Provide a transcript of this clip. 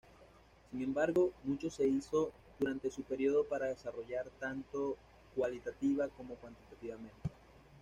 Sin embargo, mucho se hizo durante su periodo para desarrollarla tanto cualitativa como cuantitativamente.